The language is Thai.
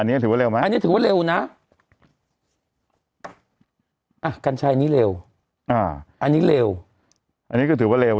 อันนี้ถือว่าเร็วไหมอันนี้ถือว่าเร็วนะอ่ะกัญชัยนี้เร็วอ่าอันนี้เร็วอันนี้ก็ถือว่าเร็ว